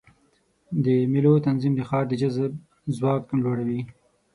د مېلو تنظیم د ښار د جذب ځواک لوړوي.